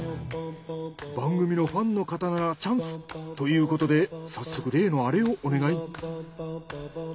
番組のファンの方ならチャンス！ということで早速例のアレをお願い。